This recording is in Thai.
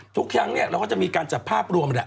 ทุกอย่างเนี่ยเราก็จะมีการจัดภาพรวมแหละ